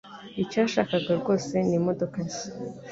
Icyo yashakaga rwose ni imodoka nshya.